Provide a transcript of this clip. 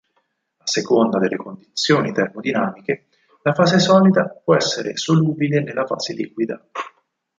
A seconda delle condizioni termodinamiche la fase solida può essere solubile nella fase liquida.